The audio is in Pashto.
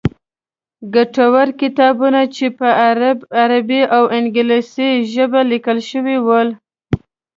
ګټور کتابونه چې په عربي او انګلیسي ژبې لیکل شوي ول.